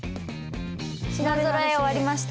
品ぞろえ終わりました。